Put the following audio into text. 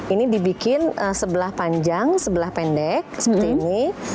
ini dibikin sebelah panjang sebelah pendek seperti ini